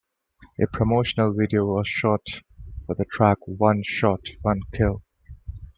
A promotional video was shot for the track "One Shot, One Kill".